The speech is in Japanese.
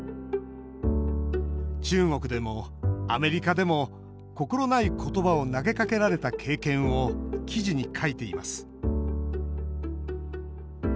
中国でもアメリカでも心ないことばを投げかけられた経験を記事に書いています